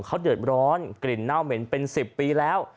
เขาเดือดร้อนกลิ่นเน่าเหม็นเป็น๑๐ปีแล้ว